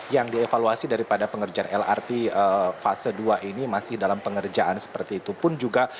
yang dievaluasi daripada pengerjaan lrt fase dua ini masih dalam pengerjaan seperti itu pun juga